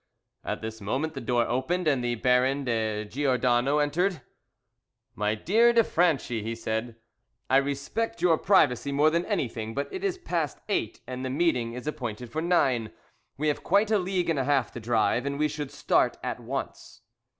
At this moment the door opened, and the Baron de Giordano entered. "My dear de Franchi," he said, "I respect your privacy more than anything, but it is past eight, and the meeting is appointed for nine; we have quite a league and a half to drive, and we should start at once."